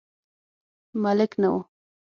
ملک نه و.